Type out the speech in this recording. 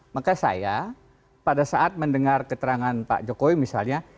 maka saya pada saat mendengar keterangan pak jokowi misalnya